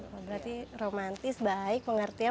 berarti romantis baik mengerti